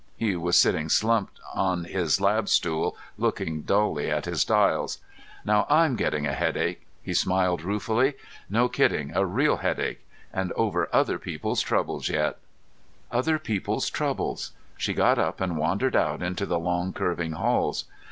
He was sitting slumped on his lab stool, looking dully at his dials. "Now I'm getting a headache!" He smiled ruefully. "No kidding, a real headache. And over other people's troubles yet!" Other people's troubles.... She got up and wandered out into the long curving halls.